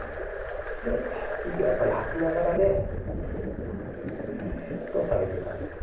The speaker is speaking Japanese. で息はやっぱり吐きながらでグーッと下げていく感じですね。